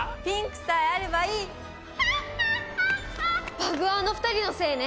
バグはあの二人のせいね。